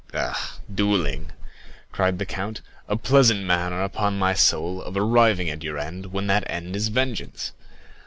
"Ah, duelling," cried the count; "a pleasant manner, upon my soul, of arriving at your end when that end is vengeance!